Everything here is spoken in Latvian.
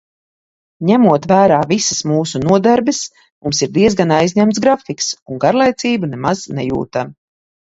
Ņemot vērā visas mūsu nodarbes, mums ir diezgan aizņemts grafiks un garlaicību nemaz nejūtam.